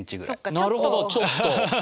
なるほどちょっと。